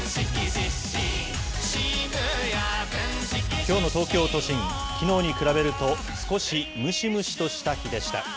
きょうの東京都心、きのうに比べると少しムシムシとした日でした。